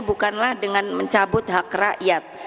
bukanlah dengan mencabut hak rakyat